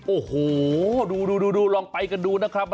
โอ้โหดูลองไปกันดูนะครับ